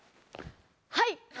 はい！